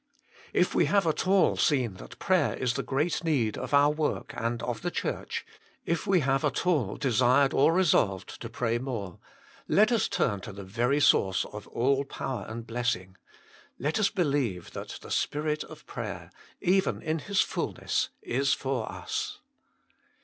If we have at all seen that prayer is the great need of our work and of the Church, if we have at all desired or re solved to pray more, let us turn to the very source of all power and blessing let us believe that the Spirit of prayer, even in His fulness, is for us.